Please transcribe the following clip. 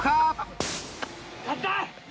勝った！